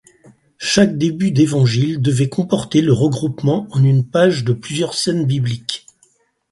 Chaque début d'évangile devait comporter le regroupement en une page de plusieurs scènes bibliques.